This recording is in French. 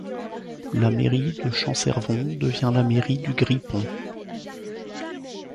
La mairie de Champcervon devient la mairie du Grippon.